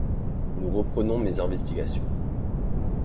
Nous reprenons mes investigations.